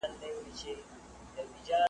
غليمان به فراريږي .